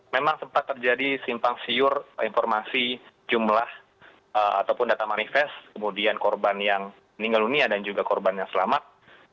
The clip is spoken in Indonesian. memang sempat terjadi simpang siur informasi jumlah ataupun data manifest kemudian korban yang meninggal dunia dan juga korban yang selamat